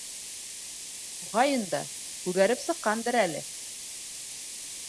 Моғайын да, күгәреп сыҡҡандыр әле?